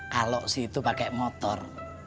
kalau si itu pakai motor